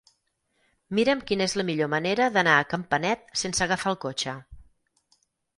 Mira'm quina és la millor manera d'anar a Campanet sense agafar el cotxe.